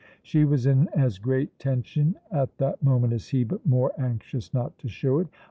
She was in as great tension at that moment as he, but more anxious not to show it.